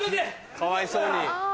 かわいそうに。